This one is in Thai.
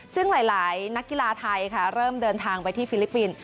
ซึ่งหลายนักกีฬาไทยค่ะเริ่มเดินทางไปที่ฟิลิปปินส์